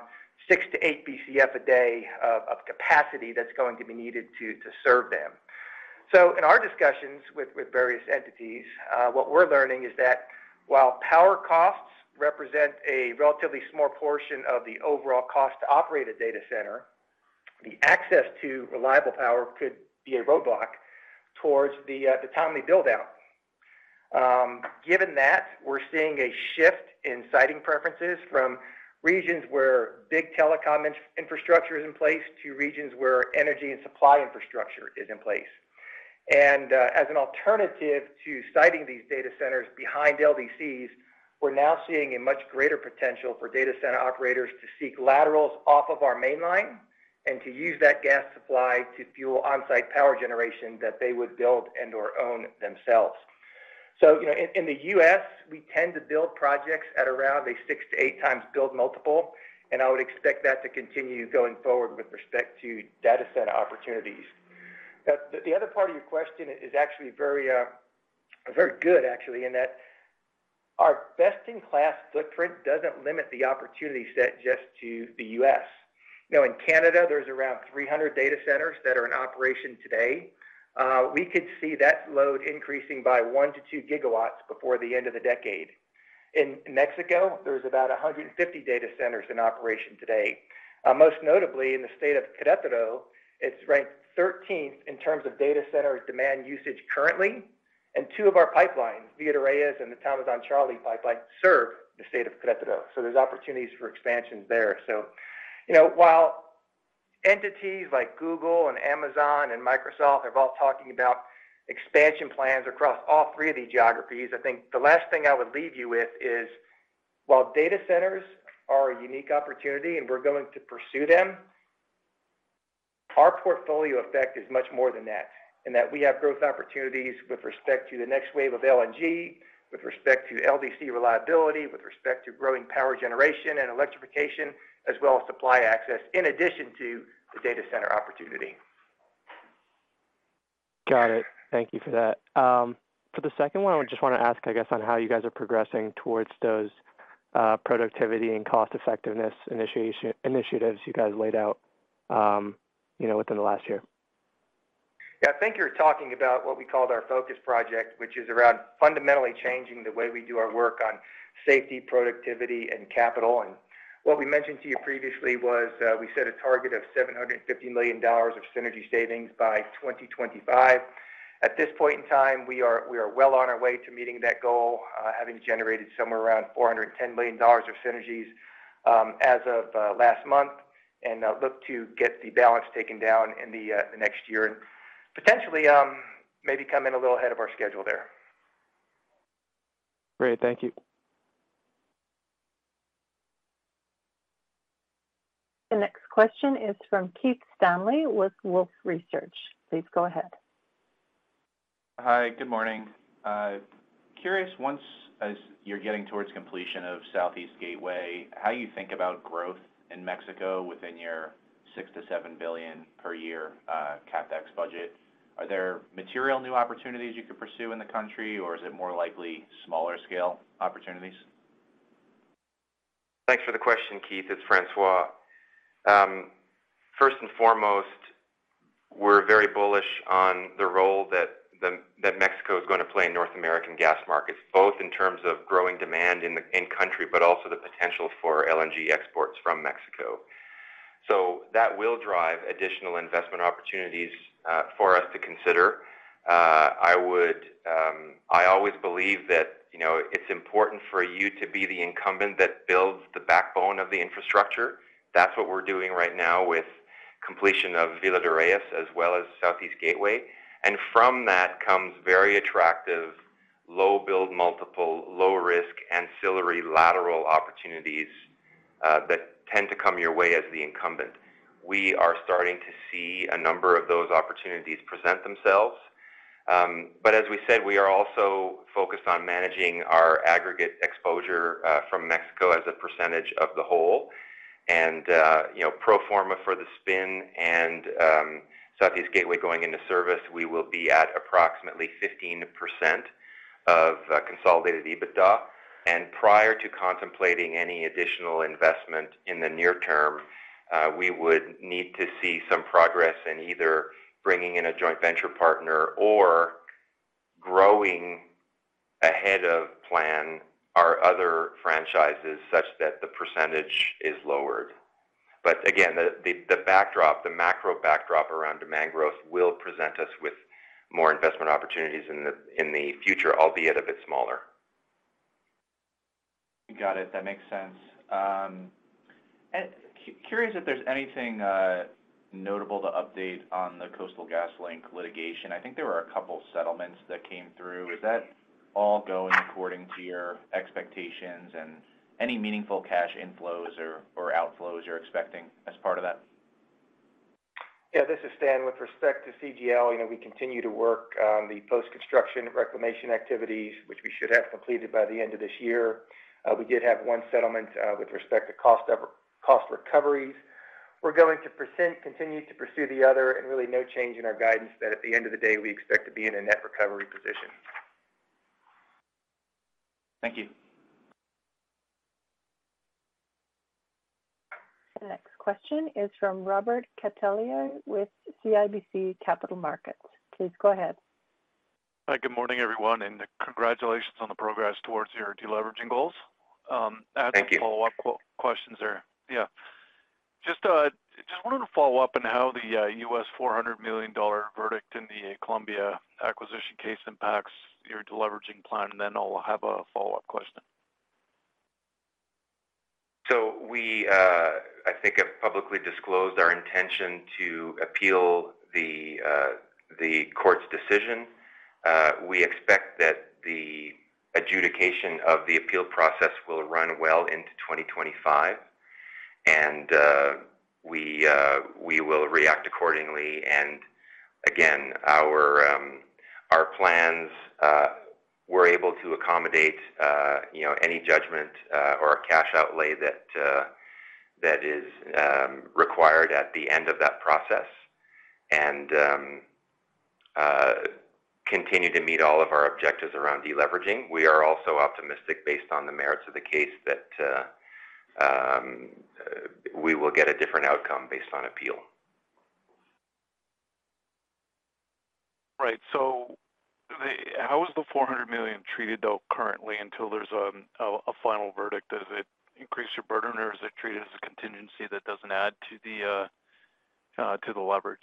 6-8 Bcf/d of capacity that's going to be needed to serve them. So in our discussions with various entities, what we're learning is that while power costs represent a relatively small portion of the overall cost to operate a data center, the access to reliable power could be a roadblock towards the timely build-out. Given that, we're seeing a shift in siting preferences from regions where big telecom infrastructure is in place, to regions where energy and supply infrastructure is in place. As an alternative to siting these data centers behind LDCs, we're now seeing a much greater potential for data center operators to seek laterals off of our mainline and to use that gas supply to fuel on-site power generation that they would build and or own themselves. So, you know, in the U.S., we tend to build projects at around a 6-8 times build multiple, and I would expect that to continue going forward with respect to data center opportunities. Now, the other part of your question is actually very good, actually, in that our best-in-class footprint doesn't limit the opportunity set just to the U.S. You know, in Canada, there's around 300 data centers that are in operation today. We could see that load increasing by 1-2 gigawatts before the end of the decade. In Mexico, there's about 150 data centers in operation today. Most notably, in the state of Querétaro, it's ranked thirteenth in terms of data center demand usage currently, and two of our pipelines, Villa de Reyes and the Tamazunchale pipeline, serve the state of Querétaro, so there's opportunities for expansion there. So, you know, while entities like Google and Amazon and Microsoft are all talking about expansion plans across all three of these geographies, I think the last thing I would leave you with is, while data centers are a unique opportunity, and we're going to pursue them, our portfolio effect is much more than that, in that we have growth opportunities with respect to the next wave of LNG, with respect to LDC reliability, with respect to growing power generation and electrification, as well as supply access, in addition to the data center opportunity. Got it. Thank you for that. For the second one, I just wanna ask, I guess, on how you guys are progressing towards those productivity and cost-effectiveness initiatives you guys laid out, you know, within the last year. Yeah, I think you're talking about what we called our Focus Project, which is around fundamentally changing the way we do our work on safety, productivity, and capital. What we mentioned to you previously was, we set a target of 750 million dollars of synergy savings by 2025. At this point in time, we are well on our way to meeting that goal, having generated somewhere around 410 million dollars of synergies, as of last month, and look to get the balance taken down in the next year, and potentially, maybe come in a little ahead of our schedule there. Great. Thank you. The next question is from Keith Stanley with Wolfe Research. Please go ahead. Hi, good morning. Curious, once as you're getting towards completion of Southeast Gateway, how you think about growth in Mexico within your $6 billion-$7 billion per year CapEx budget? Are there material new opportunities you could pursue in the country, or is it more likely smaller scale opportunities? Thanks for the question, Keith, it's François. First and foremost, we're very bullish on the role that Mexico is gonna play in North American gas markets, both in terms of growing demand in the, in country, but also the potential for LNG exports from Mexico. So that will drive additional investment opportunities for us to consider. I would always believe that, you know, it's important for you to be the incumbent that builds the backbone of the infrastructure. That's what we're doing right now with completion of Villa de Reyes, as well as Southeast Gateway. And from that comes very attractive, low build multiple, low-risk, ancillary lateral opportunities that tend to come your way as the incumbent. We are starting to see a number of those opportunities present themselves. But as we said, we are also focused on managing our aggregate exposure from Mexico as a percentage of the whole. And you know, pro forma for the spin and Southeast Gateway going into service, we will be at approximately 15% of consolidated EBITDA. And prior to contemplating any additional investment in the near term, we would need to see some progress in either bringing in a joint venture partner or growing ahead of plan our other franchises such that the percentage is lowered. But again, the backdrop, the macro backdrop around demand growth will present us with more investment opportunities in the future, albeit a bit smaller. Got it. That makes sense. And curious if there's anything notable to update on the Coastal GasLink litigation. I think there were a couple settlements that came through. Is that all going according to your expectations, and any meaningful cash inflows or outflows you're expecting as part of that? Yeah, this is Stan. With respect to CGL, you know, we continue to work on the post-construction reclamation activities, which we should have completed by the end of this year. We did have one settlement with respect to cost recoveries. We're going to continue to pursue the other, and really no change in our guidance that at the end of the day, we expect to be in a net recovery position. Thank you. The next question is from Robert Catellier with CIBC Capital Markets. Please go ahead. Hi, good morning, everyone, and congratulations on the progress towards your deleveraging goals. Thank you. I have some follow-up questions there. Yeah. Just, just wanted to follow up on how the U.S. $400 million verdict in the Columbia acquisition case impacts your deleveraging plan, and then I'll have a follow-up question.... We, I think, have publicly disclosed our intention to appeal the court's decision. We expect that the adjudication of the appeal process will run well into 2025, and we will react accordingly. And again, our plans, we're able to accommodate, you know, any judgment or a cash outlay that is required at the end of that process, and continue to meet all of our objectives around deleveraging. We are also optimistic, based on the merits of the case, that we will get a different outcome based on appeal. Right. So how is the 400 million treated, though, currently, until there's a final verdict? Does it increase your burden, or is it treated as a contingency that doesn't add to the leverage?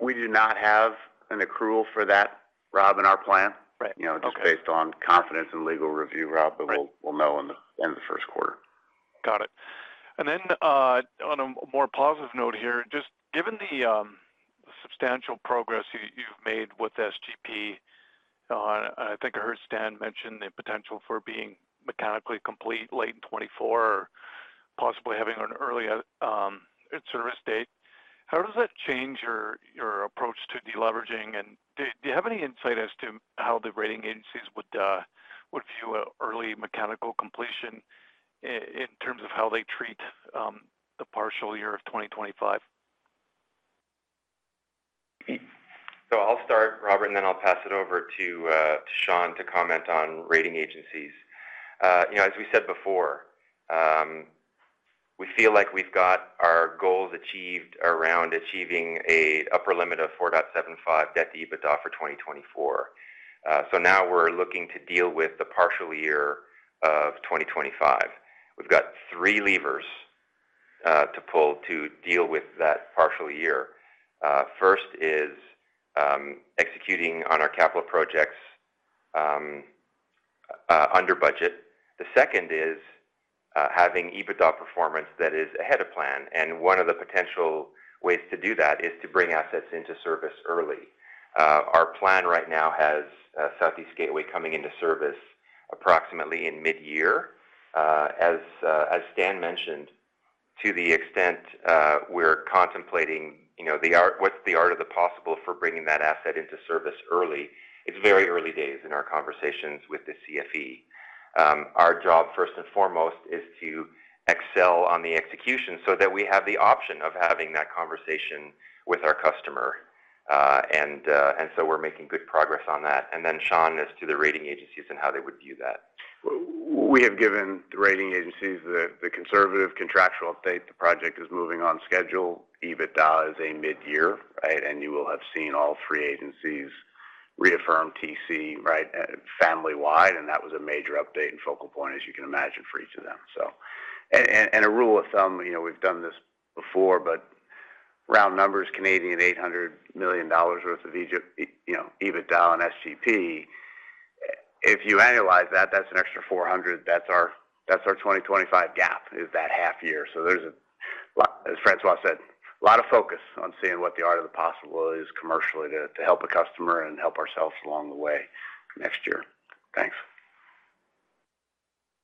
We do not have an accrual for that, Rob, in our plan. Right. Okay. You know, just based on confidence and legal review, Rob- Right... but we'll know in the first quarter. Got it. And then, on a more positive note here, just given the, substantial progress you, you've made with SGP, and I think I heard Stan mention the potential for being mechanically complete late in 2024 or possibly having an early, in-service date, how does that change your, your approach to deleveraging? And do, do you have any insight as to how the rating agencies would, would view an early mechanical completion in terms of how they treat, the partial year of 2025? So I'll start, Robert, and then I'll pass it over to to Sean to comment on rating agencies. You know, as we said before, we feel like we've got our goals achieved around achieving an upper limit of 4.75 debt to EBITDA for 2024. So now we're looking to deal with the partial year of 2025. We've got 3 levers to pull to deal with that partial year. First is executing on our capital projects under budget. The second is having EBITDA performance that is ahead of plan, and one of the potential ways to do that is to bring assets into service early. Our plan right now has Southeast Gateway coming into service approximately in mid-year. As Stan mentioned, to the extent we're contemplating, you know, the art of the possible for bringing that asset into service early, it's very early days in our conversations with the CFE. Our job, first and foremost, is to excel on the execution so that we have the option of having that conversation with our customer. And so we're making good progress on that. And then, Sean, as to the rating agencies and how they would view that. We have given the rating agencies the conservative contractual update. The project is moving on schedule. EBITDA is a mid-year, right? And you will have seen all three agencies reaffirm TC, right, family-wide, and that was a major update and focal point, as you can imagine, for each of them, so. And a rule of thumb, you know, we've done this before, but round numbers, 800 million dollars worth of EG—you know, EBITDA and SGP. If you annualize that, that's an extra 400. That's our, that's our 2025 gap, is that half year. So there's a—as François said, a lot of focus on seeing what the art of the possible is commercially to, to help a customer and help ourselves along the way next year. Thanks.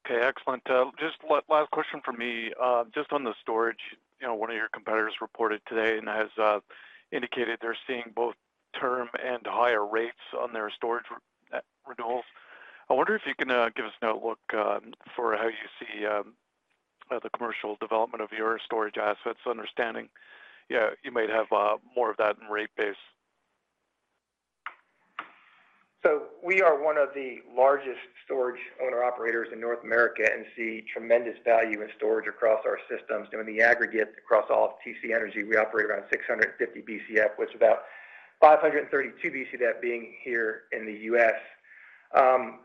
Okay. Excellent. Just one last question from me. Just on the storage, you know, one of your competitors reported today and has indicated they're seeing both term and higher rates on their storage renewals. I wonder if you can give us an outlook for how you see the commercial development of your storage assets, understanding, yeah, you might have more of that in rate base. So we are one of the largest storage owner-operators in North America and see tremendous value in storage across our systems. And in the aggregate, across all of TC Energy, we operate around 650 Bcf, which is about 532 Bcf being here in the US.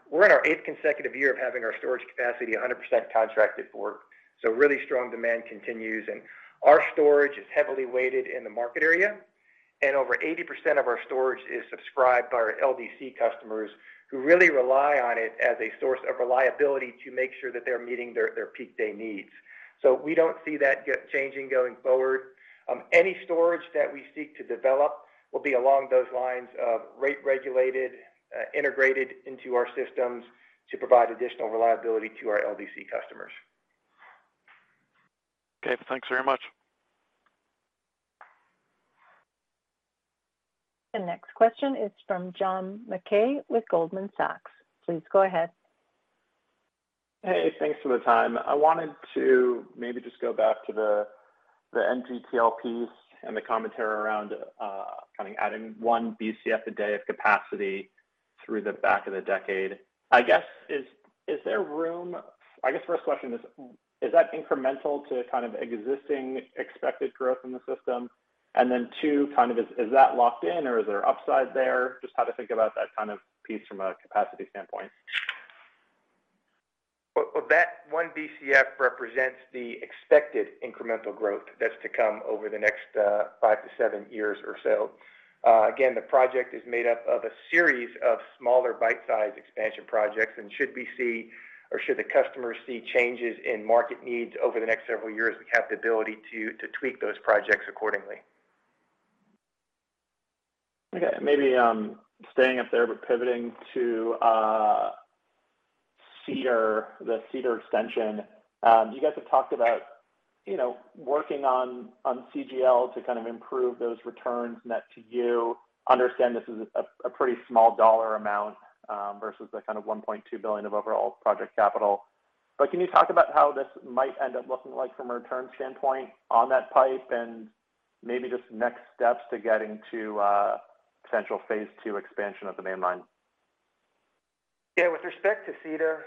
We're in our 8th consecutive year of having our storage capacity 100% contracted for. So really strong demand continues, and our storage is heavily weighted in the market area, and over 80% of our storage is subscribed by our LDC customers, who really rely on it as a source of reliability to make sure that they're meeting their peak day needs. So we don't see that changing going forward. Any storage that we seek to develop will be along those lines of rate regulated, integrated into our systems to provide additional reliability to our LDC customers. Okay. Thanks very much. The next question is from John Mackay with Goldman Sachs. Please go ahead. Hey, thanks for the time. I wanted to maybe just go back to the NGTL piece and the commentary around kind of adding 1 Bcf a day of capacity through the back of the decade. I guess first question is, is that incremental to kind of existing expected growth in the system? And then two, kind of is that locked in, or is there upside there? Just how to think about that kind of piece from a capacity standpoint. Well, well, that 1 Bcf represents the expected incremental growth that's to come over the next, 5-7 years or so. Again, the project is made up of a series of smaller bite-sized expansion projects, and should we see or should the customer see changes in market needs over the next several years, we have the ability to, to tweak those projects accordingly.... Okay, maybe, staying up there, but pivoting to, Cedar, the Cedar extension. You guys have talked about, you know, working on, on CGL to kind of improve those returns net to you. Understand this is a pretty small dollar amount, versus the kind of $1.2 billion of overall project capital. But can you talk about how this might end up looking like from a return standpoint on that pipe, and maybe just next steps to getting to, potential phase two expansion of the mainline? Yeah, with respect to Cedar,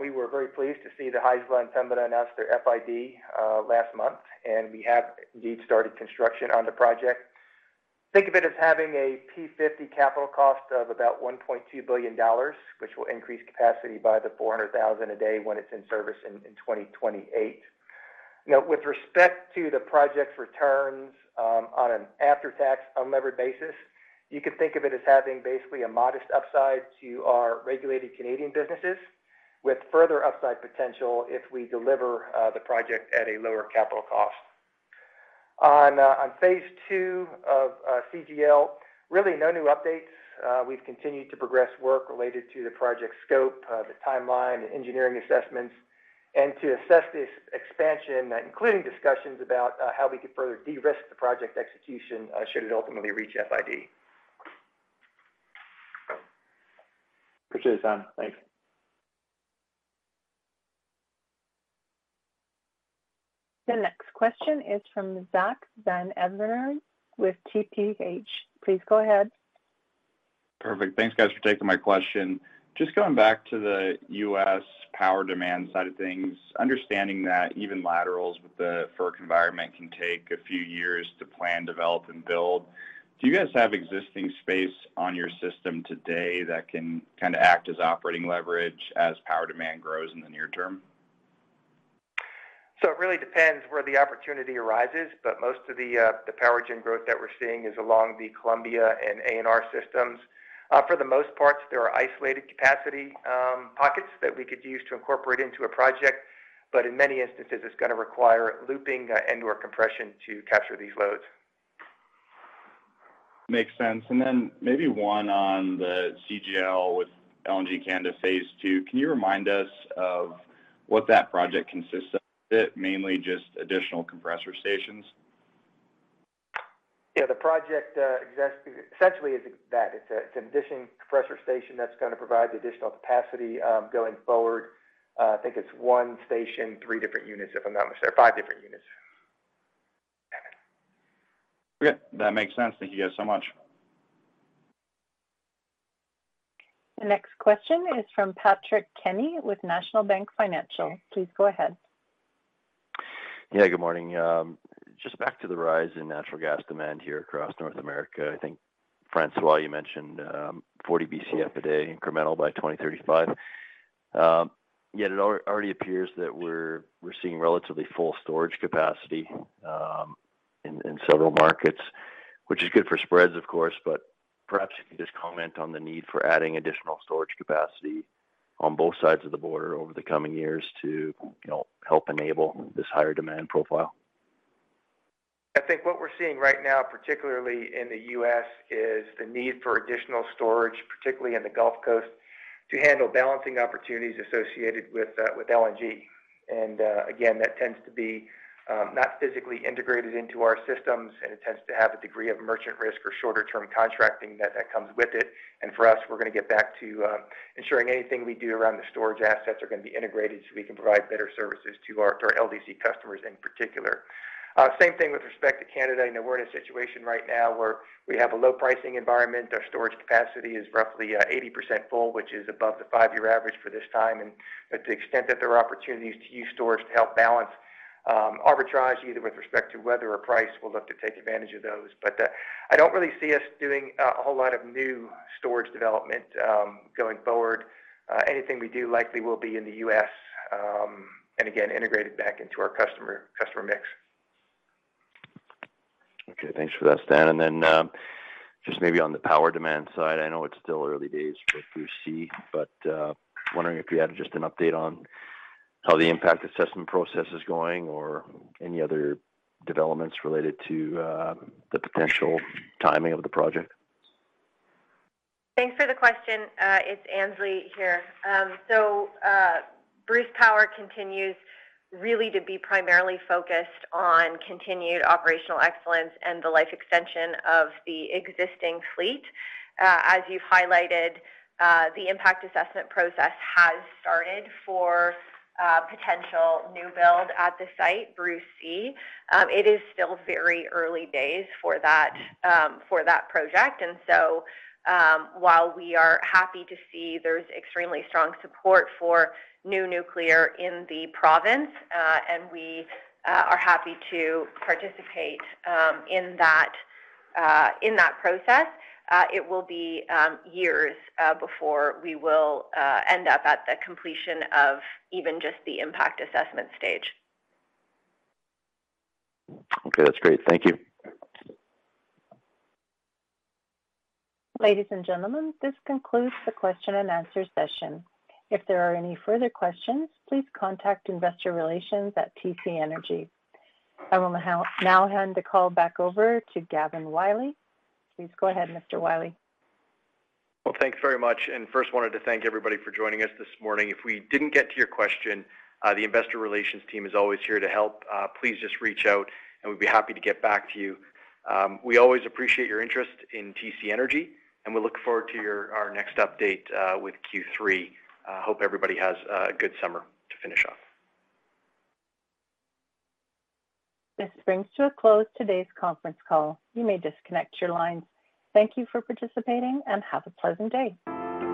we were very pleased to see the Haisla and Pembina announce their FID last month, and we have indeed started construction on the project. Think of it as having a P50 capital cost of about $1.2 billion, which will increase capacity by 400,000 a day when it's in service in 2028. Now, with respect to the project's returns, on an after-tax unlevered basis, you can think of it as having basically a modest upside to our regulated Canadian businesses, with further upside potential if we deliver the project at a lower capital cost. On phase two of CGL, really no new updates. We've continued to progress work related to the project scope, the timeline, the engineering assessments, and to assess this expansion, including discussions about how we could further de-risk the project execution, should it ultimately reach FID. Appreciate it, Tom. Thanks. The next question is from Zack Van Everen with TPH. Please go ahead. Perfect. Thanks, guys, for taking my question. Just going back to the U.S. power demand side of things, understanding that even laterals with the FERC environment can take a few years to plan, develop, and build, do you guys have existing space on your system today that can kind of act as operating leverage as power demand grows in the near term? So it really depends where the opportunity arises, but most of the power gen growth that we're seeing is along the Columbia and ANR systems. For the most part, there are isolated capacity pockets that we could use to incorporate into a project, but in many instances, it's gonna require looping and/or compression to capture these loads. Makes sense. And then maybe one on the CGL with LNG Canada phase two. Can you remind us of what that project consists of? Mainly just additional compressor stations? Yeah, the project essentially is that. It's an additional compressor station that's gonna provide the additional capacity going forward. I think it's one station, three different units, if I'm not mistaken, or five different units. Okay, that makes sense. Thank you guys so much. The next question is from Patrick Kenny with National Bank Financial. Please go ahead. Yeah, good morning. Just back to the rise in natural gas demand here across North America, I think, François, you mentioned, 40 Bcf/d incremental by 2035. Yet it already appears that we're seeing relatively full storage capacity in several markets, which is good for spreads, of course, but perhaps you can just comment on the need for adding additional storage capacity on both sides of the border over the coming years to, you know, help enable this higher demand profile. I think what we're seeing right now, particularly in the U.S., is the need for additional storage, particularly in the Gulf Coast, to handle balancing opportunities associated with LNG. And, again, that tends to be not physically integrated into our systems, and it tends to have a degree of merchant risk or shorter-term contracting that comes with it. And for us, we're gonna get back to ensuring anything we do around the storage assets are gonna be integrated so we can provide better services to our LDC customers in particular. Same thing with respect to Canada. I know we're in a situation right now where we have a low pricing environment. Our storage capacity is roughly 80% full, which is above the five-year average for this time. To the extent that there are opportunities to use storage to help balance, arbitrage, either with respect to weather or price, we'll look to take advantage of those. But, I don't really see us doing a whole lot of new storage development, going forward. Anything we do likely will be in the U.S., and again, integrated back into our customer mix. Okay, thanks for that, Stan. And then, just maybe on the power demand side, I know it's still early days for Bruce C, but, wondering if you had just an update on how the impact assessment process is going or any other developments related to the potential timing of the project? Thanks for the question. It's Annesley here. So, Bruce Power continues really to be primarily focused on continued operational excellence and the life extension of the existing fleet. As you've highlighted, the impact assessment process has started for potential new build at the site, Bruce C. It is still very early days for that, for that project, and so, while we are happy to see there's extremely strong support for new nuclear in the province, and we are happy to participate, in that, in that process, it will be years before we will end up at the completion of even just the impact assessment stage. Okay, that's great. Thank you. Ladies and gentlemen, this concludes the question and answer session. If there are any further questions, please contact Investor Relations at TC Energy. I will now hand the call back over to Gavin Wiley. Please go ahead, Mr. Wiley. Well, thank you very much, and first wanted to thank everybody for joining us this morning. If we didn't get to your question, the investor relations team is always here to help. Please just reach out, and we'd be happy to get back to you. We always appreciate your interest in TC Energy, and we look forward to your—our next update with Q3. Hope everybody has a good summer to finish off. This brings to a close today's conference call. You may disconnect your lines. Thank you for participating, and have a pleasant day.